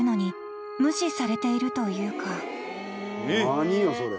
何よそれ。